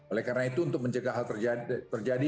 oleh karena itu untuk mencegah hal terjadi